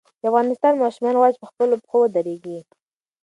د افغانستان ماشومان غواړي چې په خپلو پښو ودرېږي.